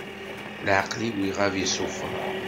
Leɛqel-iw iɣab isufer